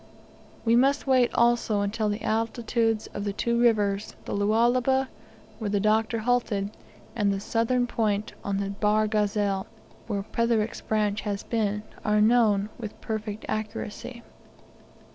We must wait also until the altitudes of the two rivers, the Lualaba, where the Doctor halted, and the southern point on the Bahr Ghazal, where Petherick has been, are known with perfect accuracy.